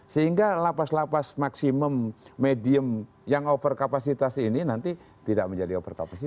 sehingga lapas lapas maksimum medium yang over kapasitas ini nanti tidak menjadi over kapasitas